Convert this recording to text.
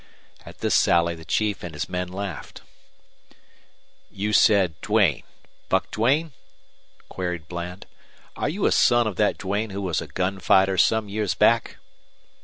At this sally the chief and his men laughed. "You said Duane Buck Duane?" queried Bland. "Are you a son of that Duane who was a gunfighter some years back?"